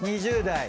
２０代。